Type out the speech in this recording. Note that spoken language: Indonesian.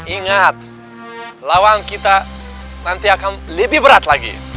ingat lawan kita nanti akan lebih berat lagi